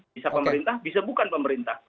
bisa pemerintah bisa bukan pemerintah